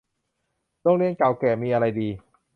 โรงเรียนเก่าแก่มีอะไรดี